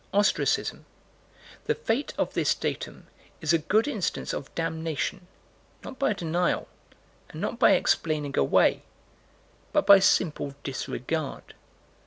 Ostracism. The fate of this datum is a good instance of damnation, not by denial, and not by explaining away, but by simple disregard.